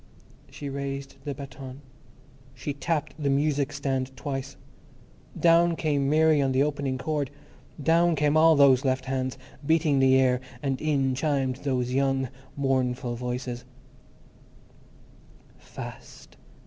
She raised the baton; she tapped the music stand twice. Down came Mary on the opening chord; down came all those left hands, beating the air, and in chimed those young, mournful voices:— Fast!